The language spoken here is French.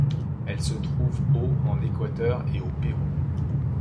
Elle se trouve au en Équateur et au Pérou.